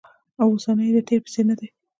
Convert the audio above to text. او اوسنی یې د تېر په څېر ندی